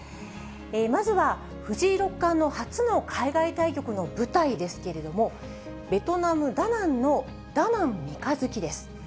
まずは藤井六冠の初の海外対局の舞台ですけれども、ベトナム・ダナンのダナン三日月です。